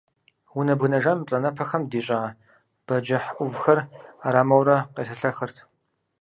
Унэ бгынэжам и плӏанэпэхэм дищӏа бэджыхъ ӏувхэр ӏэрамэурэ къелэлэхырт.